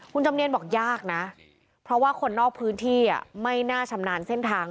คุณจำเนียนบอกยากนะเพราะว่าคนนอกพื้นที่ไม่น่าชำนาญเส้นทาง